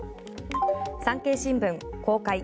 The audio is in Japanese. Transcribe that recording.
産経新聞、公開。